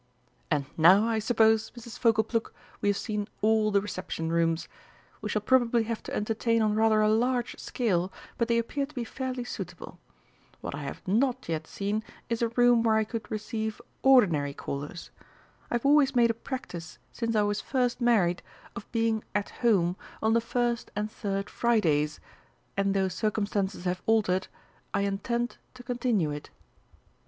"And now, I suppose, Mrs. Fogleplug, we have seen all the Reception Rooms. We shall probably have to entertain on rather a large scale, but they appear to be fairly suitable. What I have not yet seen is a room where I could receive ordinary callers. I have always made a practice since I was first married of being 'at Home' on the first and third Fridays, and though circumstances have altered, I intend to continue it."